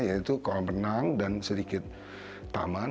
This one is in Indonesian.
yaitu kolam renang dan sedikit taman